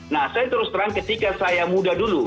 nah saya terus terang ketika saya muda dulu